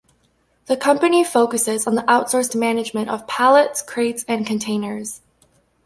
The company focuses on the outsourced management of pallets, crates and containers.